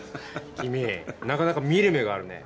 君なかなか見る目があるね。